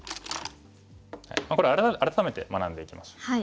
これ改めて学んでいきましょう。